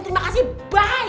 terima kasih bye